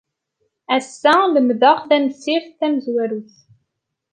Ass-a lemdeɣ tamsirt tamezwarut.